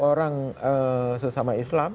orang sesama islam